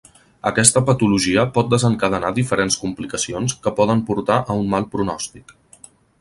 Aquesta patologia pot desencadenar diferents complicacions que poden portar a un mal pronòstic.